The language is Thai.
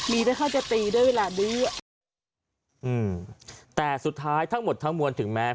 มีได้จะตีได้เวลาด้วยอืมแต่สุดท้ายทั้งหมดทั้งมวลถึงแมง